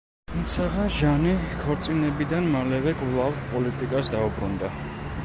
თუმცაღა ჟანი ქორწინებიდან მალევე კვლავ პოლიტიკას დაუბრუნდა.